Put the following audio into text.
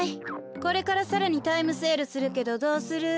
これからさらにタイムセールするけどどうする？